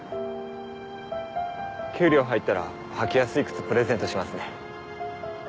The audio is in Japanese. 給料入ったら履きやすい靴プレゼントしますね。